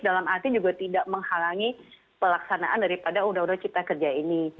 dalam arti juga tidak menghalangi pelaksanaan daripada undang undang cipta kerja ini